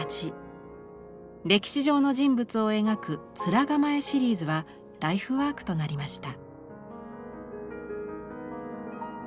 歴史上の人物を描く「面構」シリーズはライフワークとなりました。